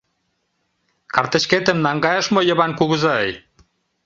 Картычкетым наҥгайыш мо Йыван кугызай?